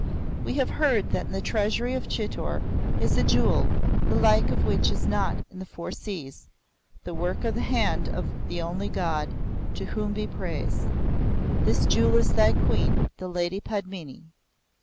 We have heard that in the Treasury of Chitor is a jewel, the like of which is not in the Four Seas the work of the hand of the Only God, to whom be praise! This jewel is thy Queen, the Lady Padmini.